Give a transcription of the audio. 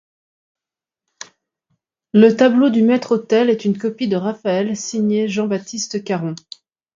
Le tableau du maître-autel est une copie de Raphaël signée Jean-Baptiste Caron.